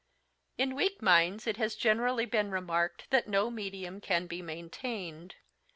In weak minds it has generally been remarked that no medium can be maintained.